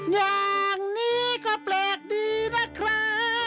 อย่างนี้ก็แปลกดีนะครับ